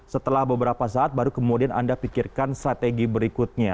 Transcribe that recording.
setelah beberapa saat baru kemudian anda pikirkan strategi berikutnya